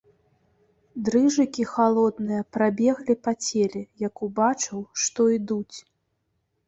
Дрыжыкі халодныя прабеглі па целе, як убачыў, што ідуць.